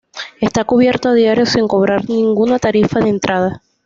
Está abierto a diario sin cobrar ninguna tarifa de entrada.